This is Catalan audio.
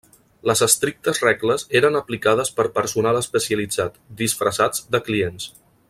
Les estrictes regles eren aplicades per personal especialitzat, disfressats de clients.